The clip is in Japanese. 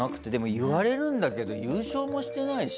言われるんだけど優勝もしてないし。